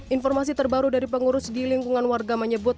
informasi terbaru dari pengurus di lingkungan warga menyebut